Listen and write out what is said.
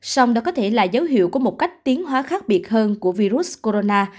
song đó có thể là dấu hiệu của một cách tiến hóa khác biệt hơn của virus corona